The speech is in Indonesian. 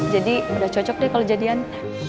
jadi udah cocok deh kalau jadian